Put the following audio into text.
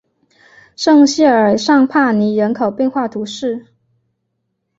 圣谢尔尚帕尼人口变化图示